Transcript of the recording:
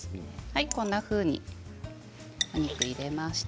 こんなふうにお肉を入れました。